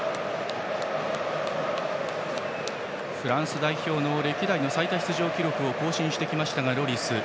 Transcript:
フランス代表の歴代の最多出場記録を更新してきましたが、ロリス。